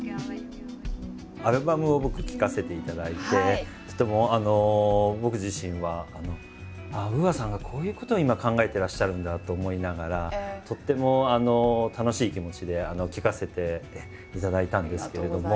アルバムを僕聴かせていただいてちょっと僕自身はＵＡさんがこういうことを今考えてらっしゃるんだと思いながらとっても楽しい気持ちで聴かせていただいたんですけれども。